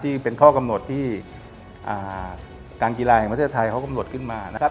ที่เป็นข้อกำหนดที่การกีฬาแห่งประเทศไทยเขากำหนดขึ้นมานะครับ